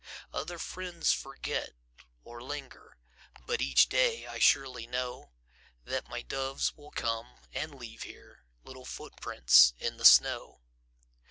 Other friends forget, or linger, But each day I surely know That my doves will come and leave here Little footprints in the snow.